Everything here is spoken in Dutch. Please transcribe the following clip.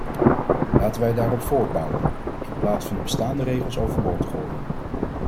Laten wij daarop voortbouwen, in plaats van de bestaande regels overboord te gooien.